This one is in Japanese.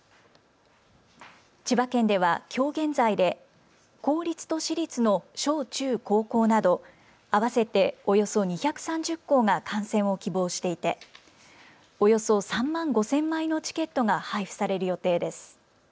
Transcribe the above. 千葉県では、きょう現在で公立と私立の小中高校など合わせておよそ２３０校が観戦を希望していておよそ３万５０００枚のチケットが配布される予定です。